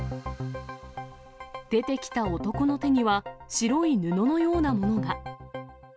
出てきた男の手には、白い布のようなものが。